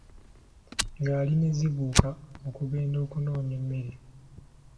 Ngaali ne zibuuka okugenda okunoonya emmere.